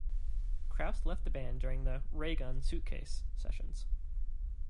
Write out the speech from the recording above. Krauss left the band during the "Ray Gun Suitcase" sessions.